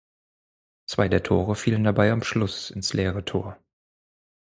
Zwei der Tore fielen dabei am Schluss ins leere Tor.